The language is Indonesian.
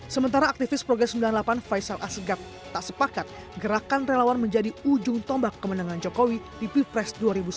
sementara aktivis progres sembilan puluh delapan faisal asgak tak sepakat gerakan relawan menjadi ujung tombak kemenangan jokowi di pilpres dua ribu sembilan belas